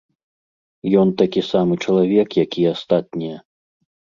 Ён такі самы чалавек, як і астатнія.